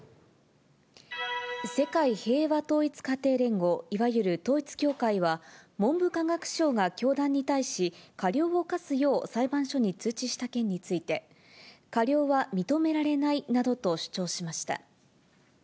世界平和統一家庭連合、いわゆる統一教会は、文部科学省が教団に対し、過料を科すよう裁判所に通知した件について、過料は認められないなどと主張しました。